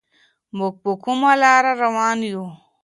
موږ په کومه لاره روان يو؟